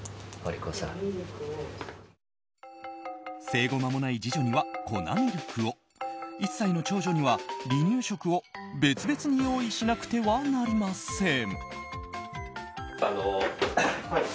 生後まもない次女には粉ミルクを１歳の長女には離乳食を別々に用意しなくてはなりません。